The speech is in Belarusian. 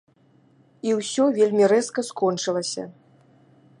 І ўсё вельмі рэзка скончылася.